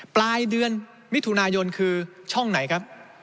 ปลายเดือนมิถุนายนคือช่องไหนครับ